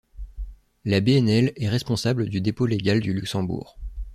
La BnL est responsable du dépôt légal du Luxembourg.